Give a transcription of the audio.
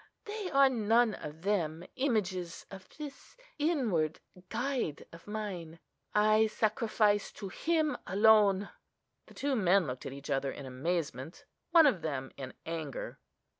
They are none of them images of this inward guide of mine. I sacrifice to Him alone." The two men looked at each other in amazement: one of them in anger.